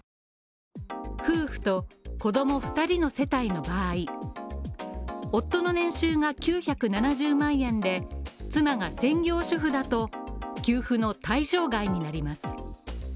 夫婦と子供２人の世帯の場合夫の年収が９７０万円で妻が専業主婦だと給付の対象外になります。